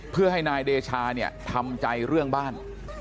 เพื่อให้นายเดชาเนี่ยทำใจเรื่องบ้าน